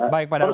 baik pak dharma